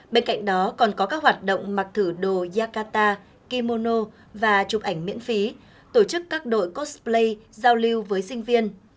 bên cạnh đó còn có các hoạt động mặc thử đồ yakata kimono và chụp ảnh miễn phí tổ chức các đội kosplay giao lưu với sinh viên